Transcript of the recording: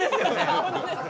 本当ですか？